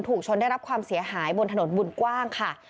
ถูกชนได้รับความเสียหายบนถนนบุญกว้างค่ะ